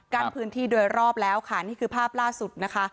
พื้นที่โดยรอบแล้วค่ะนี่คือภาพล่าสุดนะคะ